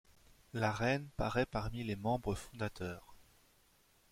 La reine paraît parmi les membres fondateurs.